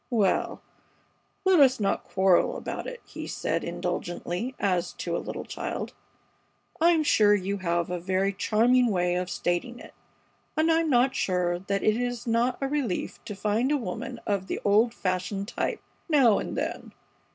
"Well, let us not quarrel about it," he said, indulgently, as to a little child. "I'm sure you have a very charming way of stating it, and I'm not sure that it is not a relief to find a woman of the old fashioned type now and then.